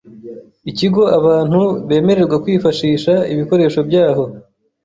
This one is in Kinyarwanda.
ikigo abantu bemererwa kwifashisha ibikoresho byaho